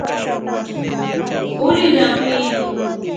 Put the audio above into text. Ulinda kuu.